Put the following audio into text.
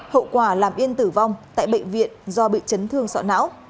hậu quả làm yên tử vong tại bệnh viện do bị chấn thương sọ não